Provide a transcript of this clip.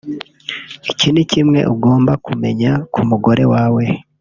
Iki ni kimwe ugomba kumenya ku mugore wawe